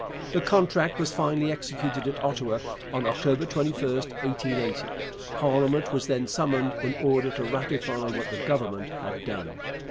The contract was finally executed at Ottawa on October 21, 1880. Parliament was then summoned in order to ratify what the Government had done.